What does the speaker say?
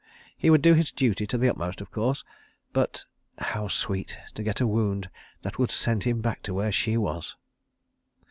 He would do his duty to the utmost, of course, but—how sweet to get a wound that would send him back to where she was!